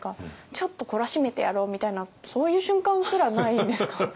ちょっと懲らしめてやろうみたいなそういう瞬間すらないんですか？